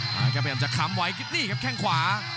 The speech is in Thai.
พยายามจะค้ำไว้นี่ครับแข้งขวา